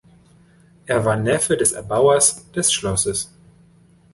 Er war der Neffe des Erbauers des Schlosses.